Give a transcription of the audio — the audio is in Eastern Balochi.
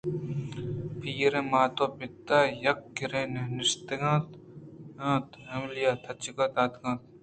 پیریں مات ءُپت یک کِرّ ے ءَ نشتگ اِت اَنتءُایمیلیا تچک داتگ اَت